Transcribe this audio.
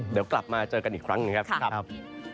เดี๋ยวกลับมาเจอกันอีกครั้งหนึ่งครับ